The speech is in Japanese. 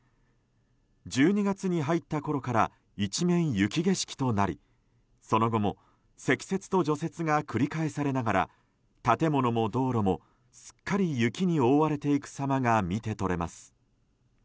１２月に入ったころから一面雪景色となりその後も積雪と除雪が繰り返されながら建物も道路もすっかり雪に覆われていく様が見てとれます。